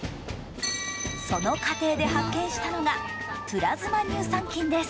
その過程で発見したのが、プラズマ乳酸菌です。